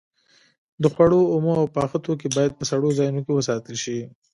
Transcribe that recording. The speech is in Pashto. د خوړو اومه او پاخه توکي باید په سړو ځایونو کې وساتل شي.